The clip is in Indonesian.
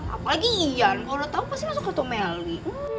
apalagi ian kalau udah tau pasti langsung ketemu melly